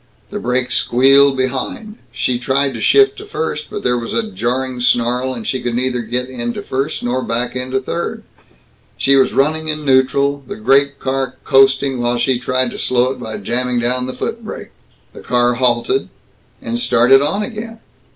The brakes squealed behind. She tried to shift to first but there was a jarring snarl, and she could neither get into first nor back into third. She was running in neutral, the great car coasting, while she tried to slow it by jamming down the foot brake. The car halted and started on again.